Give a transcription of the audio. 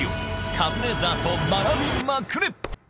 カズレーザーと学びまくれ！